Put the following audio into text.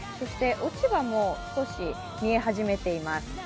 落ち葉も少し見え始めています。